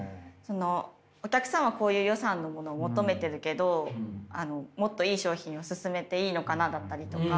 お客さんはこういう予算のものを求めてるけどもっといい商品を勧めていいのかなだったりとか。